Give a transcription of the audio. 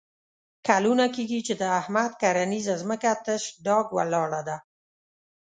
کلونه کېږي چې د احمد کرنیزه ځمکه تش ډاګ ولاړه ده.